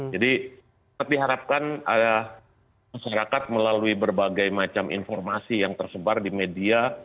jadi tapi harapkan masyarakat melalui berbagai macam informasi yang tersebar di media